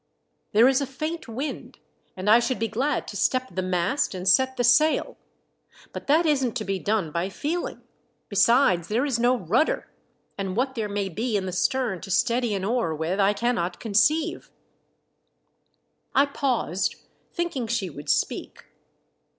There is a faint wind, and I should be glad to step the mast and set the sail. But that isn't to be done by feeling. Besides, there is no rudder, and what there may be in the stern to steady an oar with I cannot conceive." I paused, thinking she would speak.